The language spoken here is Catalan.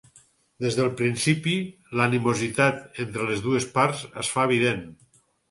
Des del principi, l'animositat entre les dues parts es fa evident.